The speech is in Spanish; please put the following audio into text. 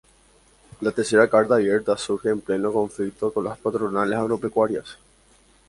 La tercera carta abierta surge en pleno conflicto con las patronales agropecuarias.